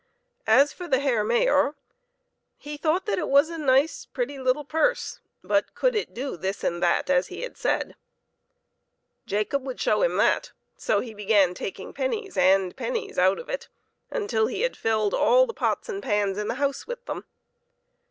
As for the Herr Mayor, he thought that it was a nice, pretty little purse ; but could it do this and that as he had said ? Jacob would show him that; so he began taking pennies and pennies out of it, until he had filled all the pots and pans in the house with them.